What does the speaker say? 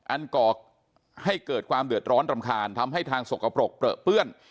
ก่อให้เกิดความเดือดร้อนรำคาญทำให้ทางสกปรกเปลือเปื้อน